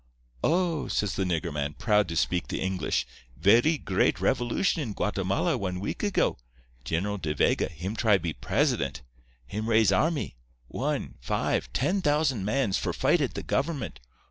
"'Oh,' says the nigger man, proud to speak the English, 'verree great revolution in Guatemala one week ago. General De Vega, him try be president. Him raise armee—one—five—ten thousand mans for fight at the government.